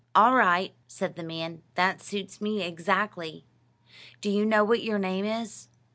"All right," said the man; "that suits me exactly." "Do you know what your name is?"